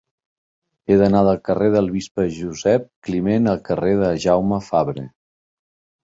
He d'anar del carrer del Bisbe Josep Climent al carrer de Jaume Fabre.